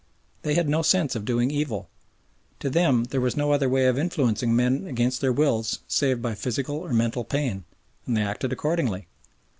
They had no sense of doing evil. To them there was no other way of influencing men against their wills save by physical or mental pain, and they acted accordingly.